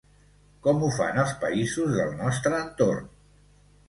Com ho fan els països del nostre entorn?